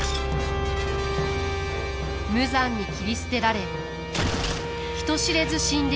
無残に斬り捨てられ人知れず死んでいく忍びたち。